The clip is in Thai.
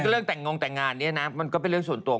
คือเรื่องแต่งงแต่งงานเนี่ยนะมันก็เป็นเรื่องส่วนตัว